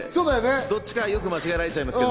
どっちかよく間違えられちゃうんですけど。